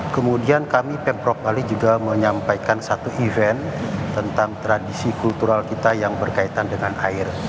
kemudian kami pemprov bali juga menyampaikan satu event tentang tradisi kultural kita yang berkaitan dengan air